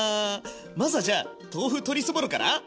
まずはじゃあ豆腐鶏そぼろから！